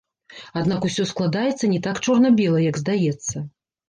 Аднак усё складаецца не так чорна-бела, як здаецца.